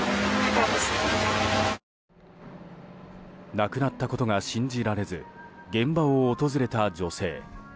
亡くなったことが信じられず現場を訪れた女性。